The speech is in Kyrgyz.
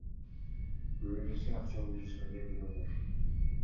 Көбүнесе акчалуу бизнесмендер келип атат.